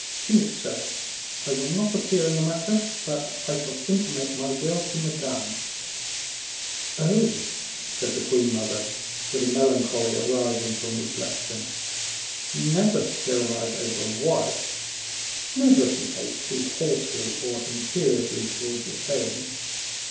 "Be it so; I will not appear in the matter, but I shall intimate my will to Madame." "Oh!" said the queen mother, with a melancholy arising from reflection, "never tyrannize over a wife never behave too haughtily or imperiously towards your own.